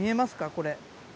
これ。